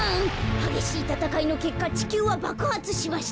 はげしいたたかいのけっかちきゅうはばくはつしました。